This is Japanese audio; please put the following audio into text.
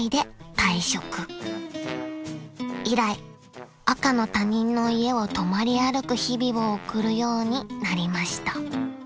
［以来赤の他人の家を泊まり歩く日々を送るようになりました］